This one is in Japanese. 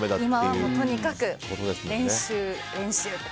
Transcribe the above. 今はとにかく練習、練習と。